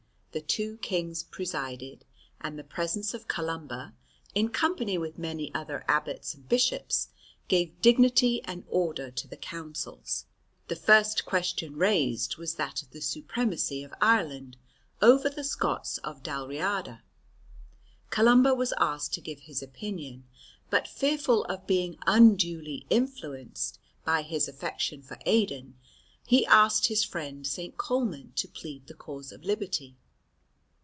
The two kings presided, and the presence of Columba, in company with many other abbots and bishops, gave dignity and order to the councils. The first question raised was that of the supremacy of Ireland over the Scots of Dalriada. Columba was asked to give his opinion, but fearful of being unduly influenced by his affection for Aidan, he asked his friend St. Colman to plead the cause of liberty.